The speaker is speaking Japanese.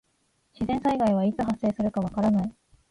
自然災害はいつ発生するかわからない。